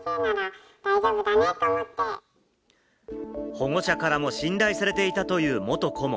保護者からも信頼されていたという元顧問。